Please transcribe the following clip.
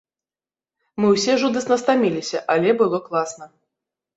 Мы ўсе жудасна стаміліся, але было класна.